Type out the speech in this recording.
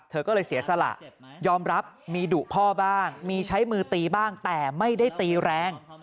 เธอก็เลยเสียสละยอมรับมีดุพ่อบ้างมีใช้มือตีบ้างแต่ไม่ได้ตีแรง